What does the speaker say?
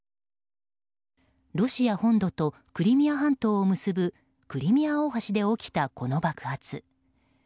ロシア本土とクリミア半島を結ぶクリミア大橋で起きた、この爆発。